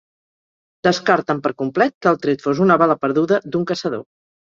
Descarten per complet que el tret fos una bala perduda d’un caçador.